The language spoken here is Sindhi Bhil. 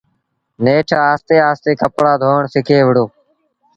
نيٺ آهستي آهستي ڪپڙآ ڌون سکي وُهڙو۔